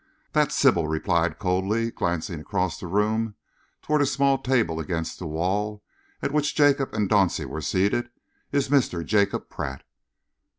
"That," Sybil replied coldly, glancing across the room towards a small table against the wall, at which Jacob and Dauncey were seated, "is Mr. Jacob Pratt."